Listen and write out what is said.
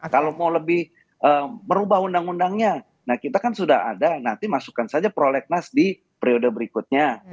kalau mau lebih merubah undang undangnya nah kita kan sudah ada nanti masukkan saja prolegnas di periode berikutnya